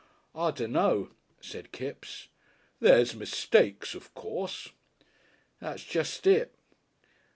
"I dunno," said Kipps. "There's mistakes, of course." "That's jest it."